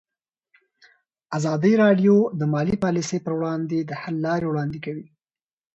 ازادي راډیو د مالي پالیسي پر وړاندې د حل لارې وړاندې کړي.